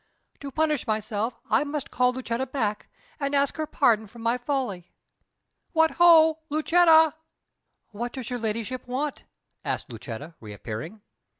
To punish myself I must call Lucetta back, and ask her pardon for my folly.... What ho, Lucetta!" "What does you ladyship want?" asked Lucetta, reappearing.